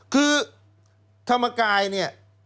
คือธรรมกายเนี่ย